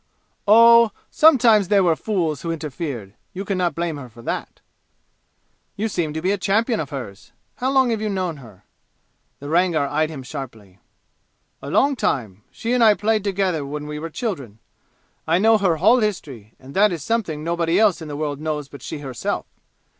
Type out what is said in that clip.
"Oh sometimes there were fools who interfered. You can not blame her for that." "You seem to be a champion of hers! How long have you known her?"' The Rangar eyed him sharply. "A long time. She and I played together when we were children. I know her whole history and that is something nobody else in the world knows but she herself.